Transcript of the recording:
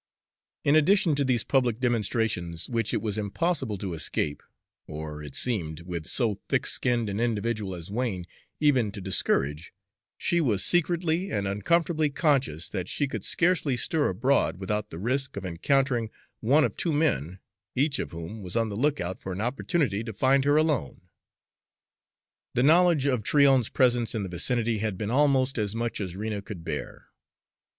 In addition to these public demonstrations, which it was impossible to escape, or, it seemed, with so thick skinned an individual as Wain, even to discourage, she was secretly and uncomfortably conscious that she could scarcely stir abroad without the risk of encountering one of two men, each of whom was on the lookout for an opportunity to find her alone. The knowledge of Tryon's presence in the vicinity had been almost as much as Rena could bear.